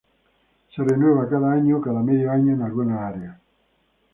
Se renueva cada año o cada medio año en algunas áreas.